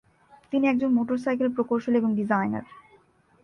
তিনি একজন মোটরসাইকেল প্রকৌশলী এবং ডিজাইনার।